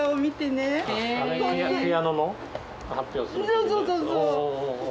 そうそうそうそう。